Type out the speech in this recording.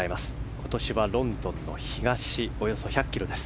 今年はロンドンの東およそ１００ｋｍです。